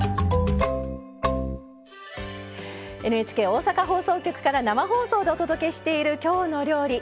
ＮＨＫ 大阪放送局から生放送でお届けしている「きょうの料理」。